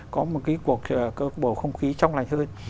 có một cái cuộc bầu không khí trong lành hơn